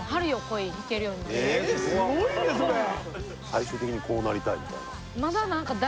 すごいねそれ最終的にこうなりたいみたいな？